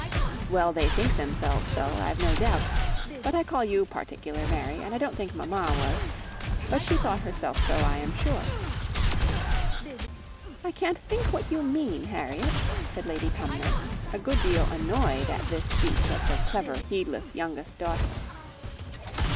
"Well, they think themselves so, I've no doubt; but I call you particular, Mary, and I don't think mamma was; but she thought herself so, I'm sure." "I can't think what you mean, Harriet," said Lady Cumnor, a good deal annoyed at this speech of her clever, heedless, youngest daughter.